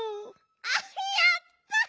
あっやった！